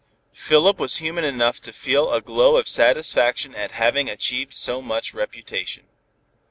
Philip was human enough to feel a glow of satisfaction at having achieved so much reputation.